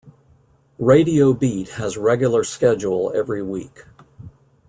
Radio Beat has regular schedule every week.